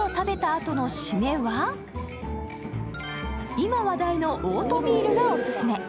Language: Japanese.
今話題のオートミールがオススメ。